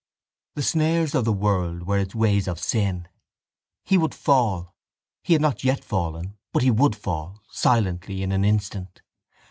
The snares of the world were its ways of sin. He would fall. He had not yet fallen but he would fall silently, in an instant.